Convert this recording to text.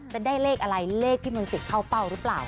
จะได้เลขอะไรเลขพิมย์สิทธิ์เข้าเป้าหรือเปล่า